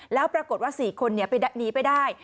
แล้วปรากฏว่า๔คนหนีไปได้